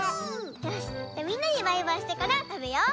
よしみんなにバイバイしてからたべよう。